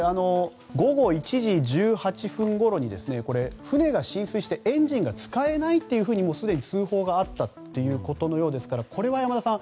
午後１時１８分ごろに船が浸水してエンジンが使えないとすでに通報があったということのようですからこれは山田さん